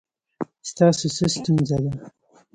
ستاسو څه ستونزه ده؟